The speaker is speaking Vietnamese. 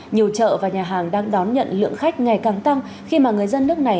nhiều chợ và nhà hàng đang đón nhận lượng khách ngày càng tăng khi mà người dân nước này